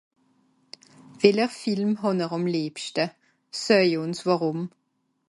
weller Film hàn'r àm lebschte ? seuje ùn wàrùm